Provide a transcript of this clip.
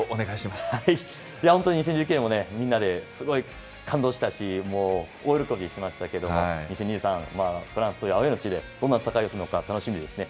本当にみんなですごい感動したし、大喜びしましたけれども、２０２３、アウエーの地でどんな戦いをするのか楽しみですね。